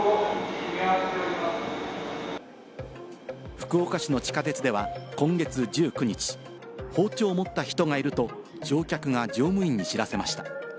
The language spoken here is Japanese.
福岡市の地下鉄では今月１９日、包丁を持った人がいると乗客が乗務員に知らせました。